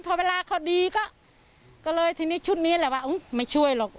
พอเวลาเขาดีก็เลยทีนี้ชุดนี้แหละว่าไม่ช่วยหรอก